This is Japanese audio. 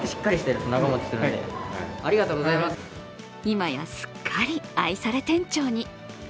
今や、すっかり愛され店長に。